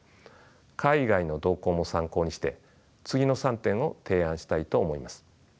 海外の動向も参考にして次の３点を提案したいと思います。